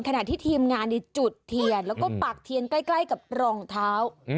ขณะที่ทีมงานจุดเทียนแล้วก็ปากเทียนใกล้กับรองเท้า